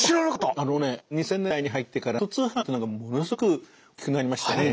あのね２０００年代に入ってからネット通販っていうのがものすごく大きくなりましたよね。